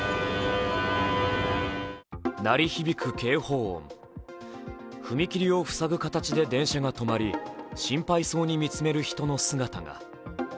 鳴り響く警報音、踏切を塞ぐ形で電車が止まり心配そうに見つめる人の姿が。